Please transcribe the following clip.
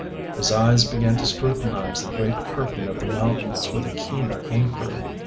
. His eyes began to scrutinise the great curtain of the mountains with a keener inquiry.